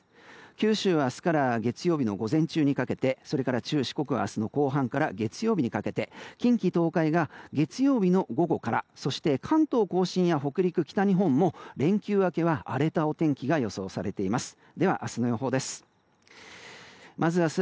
九州は明日から月曜日の午前中にかけて中四国は明日の後半から月曜日にかけて近畿・東海が月曜日の午後からそして関東・甲信や北陸、北日本も連休明けは荒れたお天気が予想されています。